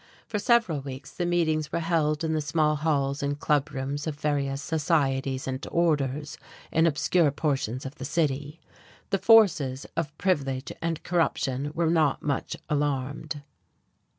For several weeks the meetings were held in the small halls and club rooms of various societies and orders in obscure portions of the city. The forces of "privilege and corruption" were not much alarmed.